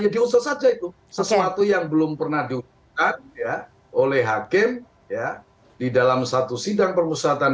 diusahakan sesuatu yang belum pernah diusahakan oleh hakim ya di dalam satu sidang perusahaan